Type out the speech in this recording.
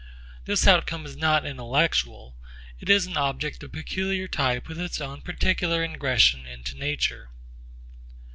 This outcome is not intellectual; it is an object of peculiar type with its own particular ingression into nature.